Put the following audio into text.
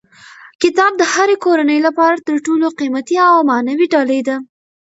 کتاب د هرې کورنۍ لپاره تر ټولو قیمتي او معنوي ډالۍ ده.